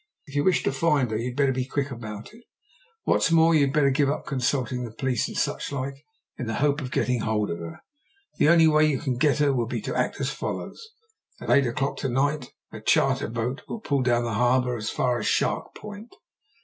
If you wish to find her you had better be quick about it. What's more, you had better give up consulting the police, and such like, in the hope of getting hold of her. The only way you can get her will be to act as follows: At eight o'clock to night charter a boat and pull down the harbour as far as Shark Point.